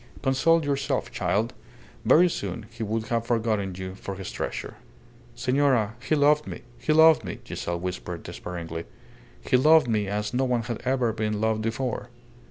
"Console yourself, child. Very soon he would have forgotten you for his treasure." "Senora, he loved me. He loved me," Giselle whispered, despairingly. "He loved me as no one had ever been loved before."